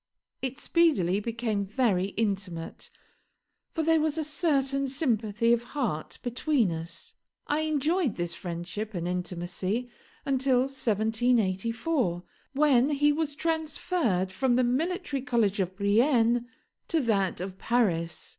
It speedily became very intimate, for there was a certain sympathy of heart between us. I enjoyed this friendship and intimacy until 1784, when he was transferred from the Military College of Brienne to that of Paris.